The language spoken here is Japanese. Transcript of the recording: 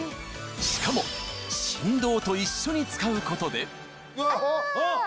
しかも振動と一緒に使うことであ！